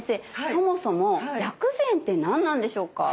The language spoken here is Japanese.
そもそも薬膳って何なんでしょうか？